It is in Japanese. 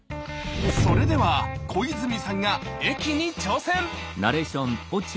それでは小泉さんが「駅」に挑戦！